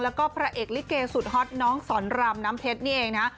แล้วก็พระเอกลิเกสุดฮอตน้องสอนรามน้ำเพชรนี่เองนะ